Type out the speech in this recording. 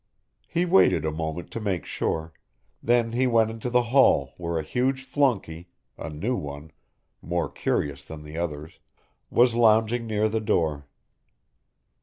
He waited a moment to make sure, then he went into the hall where a huge flunkey a new one, more curious than the others, was lounging near the door.